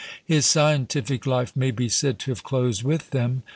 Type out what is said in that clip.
His scientific life may be said to have closed with them.